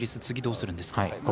次、どうするんですか。